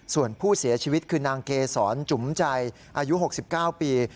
ส่วนผู้เสียชีวิตคือนางเกษรจุ๋มใจอายุ๖๙ปี